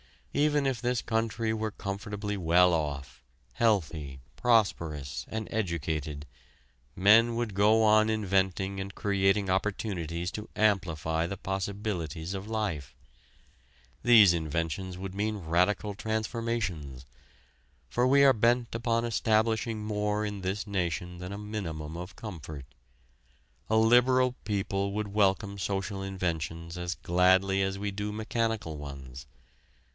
Even if this country were comfortably well off, healthy, prosperous, and educated, men would go on inventing and creating opportunities to amplify the possibilities of life. These inventions would mean radical transformations. For we are bent upon establishing more in this nation than a minimum of comfort. A liberal people would welcome social inventions as gladly as we do mechanical ones.